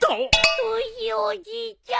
どうしようおじいちゃん。